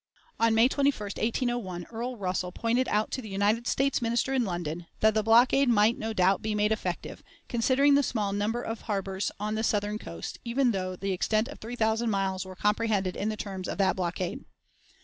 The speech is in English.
On May 21, 1801, Earl Russell pointed out to the United States Minister in London that "the blockade might, no doubt, be made effective, considering the small number of harbors on the Southern coast, even though the extent of three thousand miles were comprehended in the terms of that blockade."